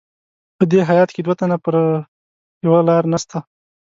په دې هیات کې دوه تنه پر یوه لار نسته.